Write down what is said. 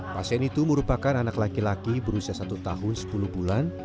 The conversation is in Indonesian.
pasien itu merupakan anak laki laki berusia satu tahun sepuluh bulan